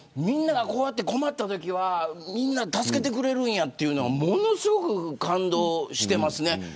みんながこうやって困ったときは助けてくれるんやっていうのがものすごく感動してますね。